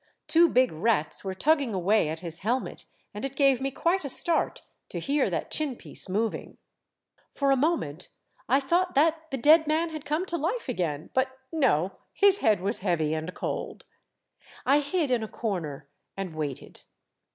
Two big rats were tugging away at his helmet, and it gave me quite a start to hear that chin piece moving. For a moment I thought that the dead man had come to life again, but no ! his head was heavy and cold. I hid in a corner, and waited.